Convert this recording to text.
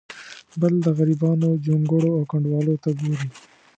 بل د غریبانو جونګړو او کنډوالو ته ګوري.